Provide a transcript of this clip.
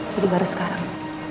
jadi baru sekarang